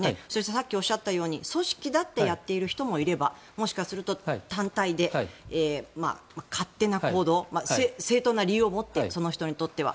さっきおっしゃったように組織立ってやっている人もいればもしかすると単体で勝手な行動正当な理由を持ってその人にとっては。